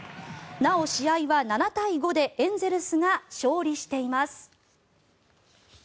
なお、試合は７対５でエンゼルスが勝利しています。